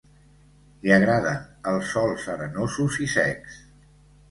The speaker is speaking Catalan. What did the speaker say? Li agraden els sòls arenosos i secs.